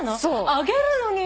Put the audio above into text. あげるのに。